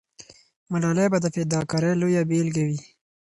ملالۍ به د فداکارۍ لویه بیلګه وي.